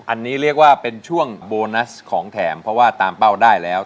อันนี้เรียกว่าเป็นช่วงโบนัสของแถมเพราะว่าตามเป้าได้แล้ว